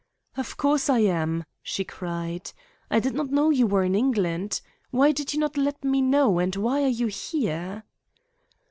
"Of course I am," she cried. "I did not know you were in England. Why did you not let me know, and why are you here?"